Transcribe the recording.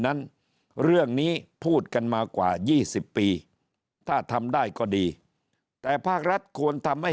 นั้นเรื่องนี้พูดกันมากว่า๒๐ปีถ้าทำได้ก็ดีแต่ภาครัฐควรทำให้